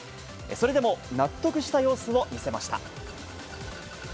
それでも納得した様子も見せました。